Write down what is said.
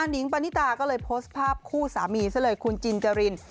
นิงปานิตาก็เลยโพสต์ภาพคู่สามีซะเลยคุณจินจริน